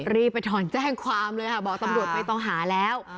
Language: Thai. รีบไปถอนแจ้งความเลยค่ะบอกตำรวจไม่ต้องหาแล้ว